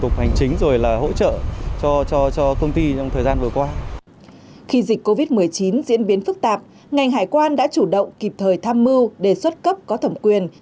khi dịch covid một mươi chín diễn biến phức tạp ngành hải quan đã chủ động kịp thời tham mưu đề xuất cấp có thẩm quyền